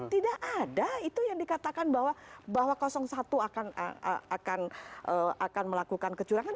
tidak ada itu yang dikatakan bahwa satu akan melakukan kecurangan